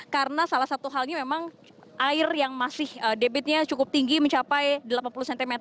karena salah satu halnya memang air yang masih debitnya cukup tinggi mencapai delapan puluh cm